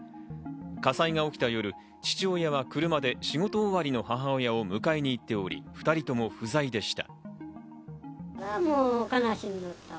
火災が起きた夜、父親は車で仕事終わりの母親を迎えに行っており、２人とも不在でした。